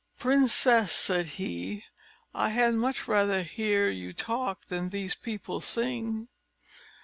"Princess," said he, "I had much rather hear you talk than these people sing."